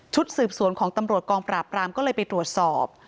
สืบสวนของตำรวจกองปราบรามก็เลยไปตรวจสอบ